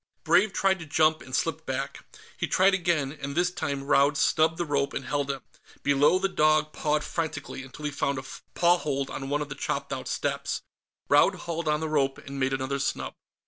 Brave tried to jump and slipped back. He tried again, and this time Raud snubbed the rope and held him. Below the dog pawed frantically, until he found a paw hold on one of the chopped out steps. Raud hauled on the rope, and made another snub.